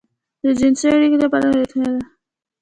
د جنسي اړيکې لپاره لېوالتيا ده.